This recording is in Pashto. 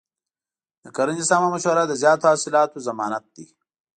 د کرنې سمه مشوره د زیاتو حاصلاتو ضمانت دی.